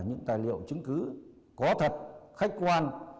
những tài liệu chứng cứ có thật khách quan